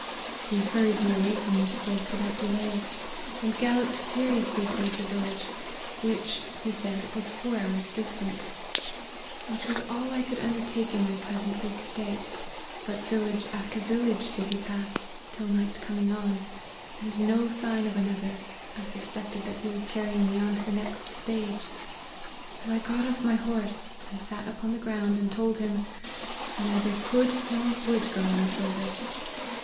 He hurried me away from this place without delay, and galloped furiously towards a village, which, he said, was four hours distant ; which was afl I could undertake in my present weak state ; but village after village did he pass, till night coming on, and no signs of another, I suspected that he was carrying me on to the next stage ; so I got off my horse, and sat upon the ground, and told him, ' I neither could nor would go any further.'